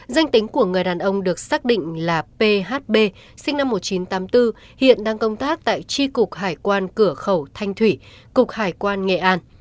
danh tính của người đàn ông được xác định là phb sinh năm một nghìn chín trăm tám mươi bốn hiện đang công tác tại tri cục hải quan cửa khẩu thanh thủy cục hải quan nghệ an